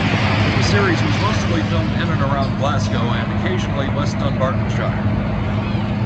The series was mostly filmed in and around Glasgow and occasionally West Dunbartonshire.